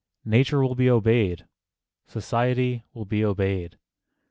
Nature will be obeyed. Society will be obeyed....